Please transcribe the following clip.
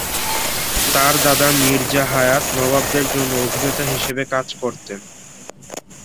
তার দাদা মির্জা হায়াৎ নবাবদের জন্য অভিনেতা হিসাবে কাজ করতেন।